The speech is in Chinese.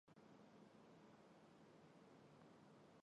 佩蒂斯县是美国密苏里州中部的一个县。